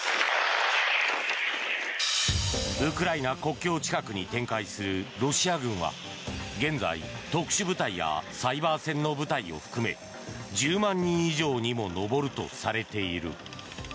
ウクライナ国境近くに展開するロシア軍は現在、特殊部隊やサイバー戦の部隊を含め１０万人以上にも上るとされている。